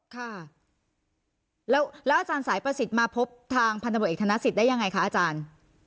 ค่ะแล้วอาจารย์สายประสิทธิ์มาพบทางพันธบทเอกธนสิทธิ์ได้ยังไงคะอาจารย์